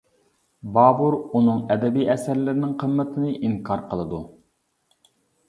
بابۇر ئۇنىڭ ئەدەبىي ئەسەرلىرىنىڭ قىممىتىنى ئىنكار قىلىدۇ.